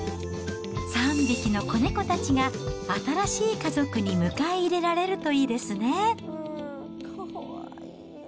３匹の子猫たちが新しい家族に迎え入れられるといいですね。